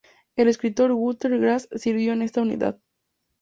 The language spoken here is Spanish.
El escritor Günther Grass sirvió en esta unidad.